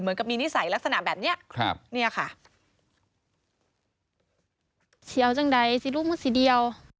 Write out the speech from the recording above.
เหมือนกับมีนิสัยลักษณะแบบนี้